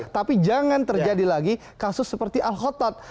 tapi jangan terjadi lagi kasus seperti al khotad